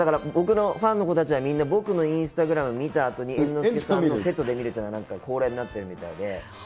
僕のファンの子たちは僕のインスタグラム見たあとに猿之助さんのセットで見るというのが恒例になってるみたいで。